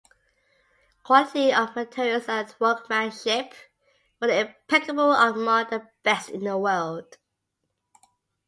Quality of materials and workmanship were impeccable and among the best in the world.